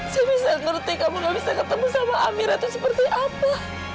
saya bisa ngerti kamu gak bisa ketemu sama amir atau seperti apa